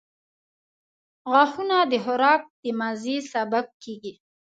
• غاښونه د خوراک د مزې سبب کیږي.